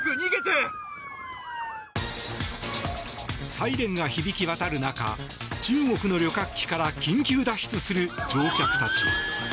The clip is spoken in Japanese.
サイレンが響き渡る中中国の旅客機から緊急脱出する乗客たち。